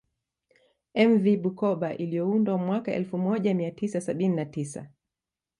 Mv Bukoba iliyoundwa mwaka elfu moja mia tisa sabini na tisa